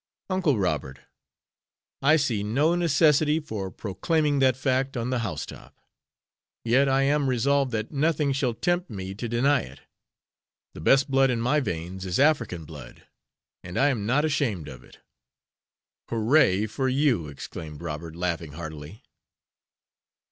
"Uncle Robert, I see no necessity for proclaiming that fact on the house top. Yet I am resolved that nothing shall tempt me to deny it. The best blood in my veins is African blood, and I am not ashamed of it." "Hurrah for you!" exclaimed Robert, laughing heartily.